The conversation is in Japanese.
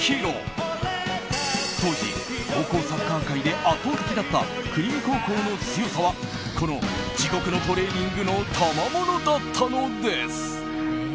当時、高校サッカー界で圧倒的だった国見高校の強さはこの地獄のトレーニングの賜物だったのです。